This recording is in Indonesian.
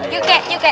yuk kek yuk kek